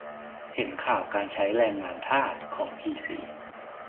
เห็นข่าวการใช้ "แรงงานทาส" ของพีซี